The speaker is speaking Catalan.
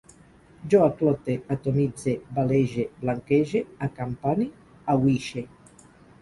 Jo aclote, atomitze, balege, blanquege, acampane, ahuixe